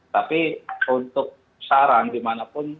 tapi untuk saran dimanapun